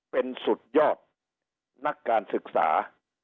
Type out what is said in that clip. เป็นสุดยอดนักการศึกษา